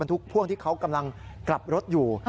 ทุกพ่วงที่เขากำลังกลับรถอยู่